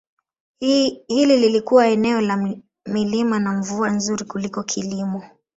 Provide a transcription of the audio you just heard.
Hili lilikuwa eneo la milima na mvua nzuri kwa kilimo.